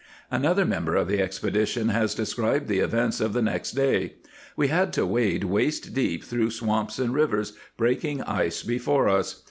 "^ Another member of the expedi tion has described the events of the next day :" We had to wade waist high through swamps and rivers, breaking ice before us.